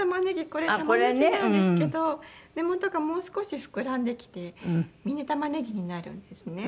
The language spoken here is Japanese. これ玉ねぎなんですけど根元がもう少し膨らんできてミニ玉ねぎになるんですね。